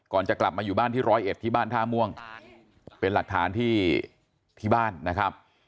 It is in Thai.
ก่อนจะกลับมาอยู่บ้านที่๑๐๑ที่บ้านท่าม่วงเป็นหลักฐานที่บ้านนะครับ